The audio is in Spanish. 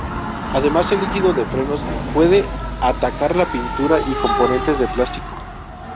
Además el líquido de frenos puede atacar la pintura y componentes de plástico.